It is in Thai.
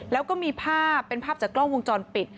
แล้วก็มีภาพเป็นภาพจากกล้องวงจรปิด